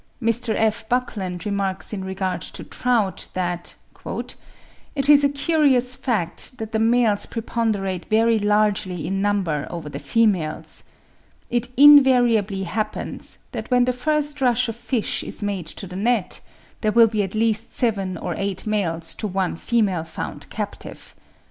Mr. F. Buckland remarks in regard to trout, that "it is a curious fact that the males preponderate very largely in number over the females. It INVARIABLY happens that when the first rush of fish is made to the net, there will be at least seven or eight males to one female found captive.